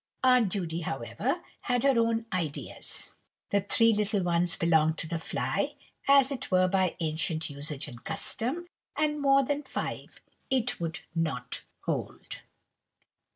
Aunt Judy, however, had her own ideas. The three little ones belonged to the fly, as it were by ancient usage and custom, and more than five it would not hold.